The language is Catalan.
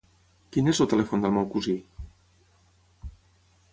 Quin és el telèfon del meu cosí?